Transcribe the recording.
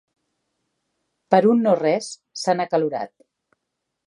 Per un no res, s'han acalorat.